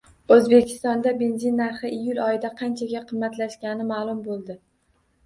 O‘zbekistonda benzin narxi iyul oyida qanchaga qimmatlashgani ma’lum bo‘ldi